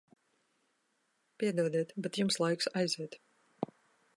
Piedodiet, bet jums laiks aiziet.